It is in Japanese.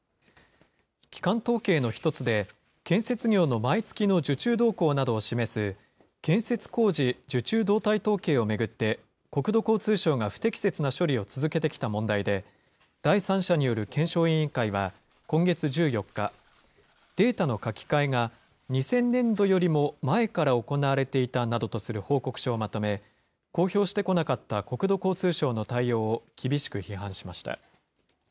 基幹統計の１つで、建設業の毎月の受注動向などを示す、建設工事受注動態統計を巡って、国土交通省が不適切な処理を続けてきた問題で、第三者による検証委員会は今月１４日、データの書き換えが２０００年度よりも前から行われていたなどとする報告書をまとめ、公表してこなかった国土交通省の対応を厳しく批判しました。